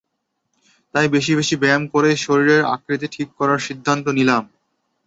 তাই বেশি বেশি ব্যায়াম করেই শরীরের আকৃতি ঠিক করার সিদ্ধান্ত নিলাম।